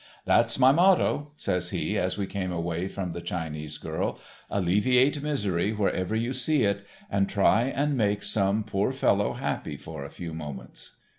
"That's my motto," says he, as we came away from the Chinese girl, "alleviate misery wherever you see it and try and make some poor fellow happy for a few moments."